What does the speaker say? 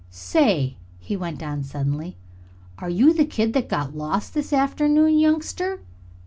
"Say!" he went on suddenly. "Are you the kid that got lost this afternoon, youngster?"